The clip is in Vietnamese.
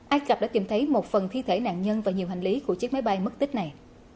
ai cập đã tìm thấy một phần thi thể nạn nhân và nhiều hành lý của chiếc máy bay mất tích này